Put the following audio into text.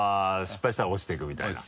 失敗したら落ちていくみたいな。